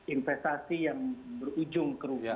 investasi yang berujung kerugian